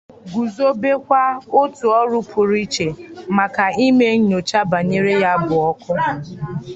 guzobekwa òtù ọrụ pụrụ iche maka ime nnyocha banyere ya bụ ọkụ